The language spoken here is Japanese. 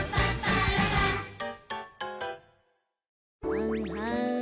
はんはん。